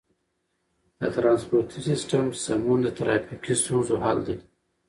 د ترانسپورتي سیستم سمون د ترافیکي ستونزو حل دی.